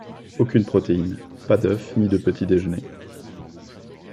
Aucune protéine, pas d’œuf ni de petit déjeuner.